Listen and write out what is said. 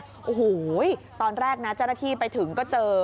โอ้โหตอนแรกนะเจ้าหน้าที่ไปถึงก็เจอ